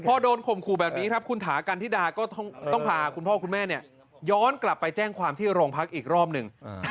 พอโดนข่มขู่แบบนี้ครับคุณถากันธิดาก็ต้องพาคุณพ่อคุณแม่ย้อนกลับไปแจ้งความที่โรงพักอีกรอบหนึ่ง